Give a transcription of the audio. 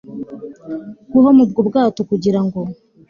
guhoma ubwo bwato kugira ngo